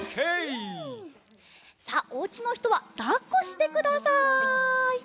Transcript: さあおうちのひとはだっこしてください。